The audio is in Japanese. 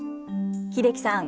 英樹さん